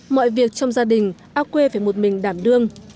mọi việc trong gia đình ao quê phải một mình đảm đương